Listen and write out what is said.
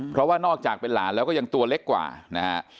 เพราะว่านอกจากเป็นหลานแล้วก็ยังตัวเล็กกว่านะฮะ